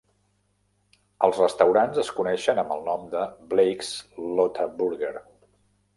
Els restaurants es coneixen amb el nom de Blake's Lotaburger.